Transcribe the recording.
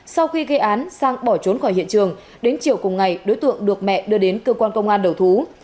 sau khi gây án sang bỏ trốn khỏi hiện trường đến chiều cùng ngày đối tượng được mẹ đưa đến cơ quan công an đầu thú